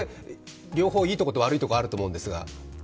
両方いいところと悪いところがあると思うんですが。